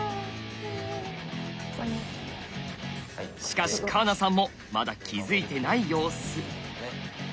しかし川名さんもまだ気付いてない様子。